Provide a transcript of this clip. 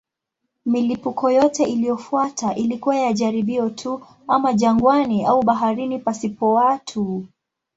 Milipuko yote iliyofuata ilikuwa ya jaribio tu, ama jangwani au baharini pasipo watu.